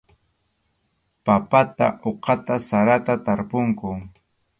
Papata uqata sarata tarpunku.